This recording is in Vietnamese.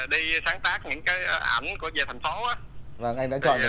đi sáng tác những ảnh về thành phố